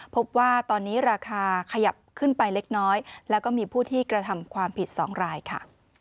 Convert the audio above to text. พบว่าตอนนี้ราคาขยับขึ้นไปเล็กน้อยแล้วก็มีผู้ที่กระทำความผิด๒รายค่ะ